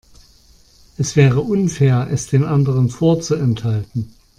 Es wäre unfair, es den anderen vorzuenthalten.